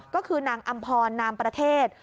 ก็คือนางอำพรนามประเทศ